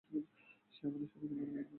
সে আমাদের সবাইকে মেরে ফেলতে পারত।